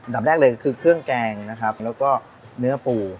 แรกเลยคือเครื่องแกงนะครับแล้วก็เนื้อปู